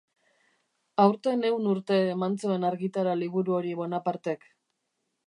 Aurten ehun urte eman zuen argitara liburu hori Bonapartek.